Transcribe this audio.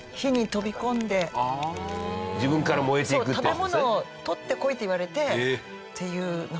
食べ物を取ってこいって言われてっていう有名な。